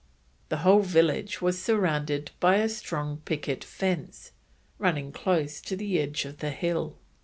The whole village was surrounded by a strong picket fence, running close to the edge of the hill.